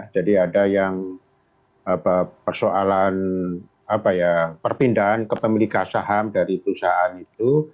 jadi ada yang persoalan perpindahan kepemilikan saham dari usaha itu